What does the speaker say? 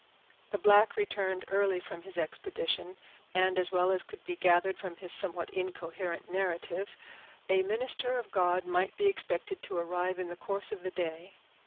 The black returned early from his expedition, and, as well as could be gathered from his somewhat incoherent narrative, a minister of God might be expected to arrive in the course of the day.